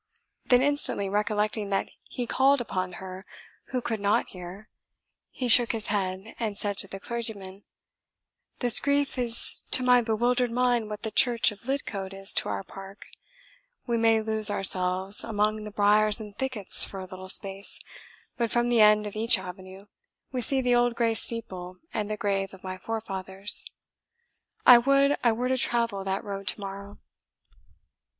Then instantly recollecting that he called upon her who could not hear, he shook his head, and said to the clergyman, "This grief is to my bewildered mind what the church of Lidcote is to our park: we may lose ourselves among the briers and thickets for a little space, but from the end of each avenue we see the old grey steeple and the grave of my forefathers. I would I were to travel that road tomorrow!"